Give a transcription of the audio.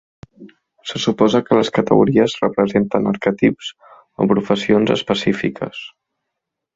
Se suposa que les categories representen arquetips o professions específiques.